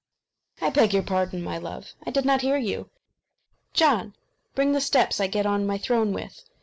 "I beg your pardon, my love; I did not hear you. John! bring the steps I get on my throne with."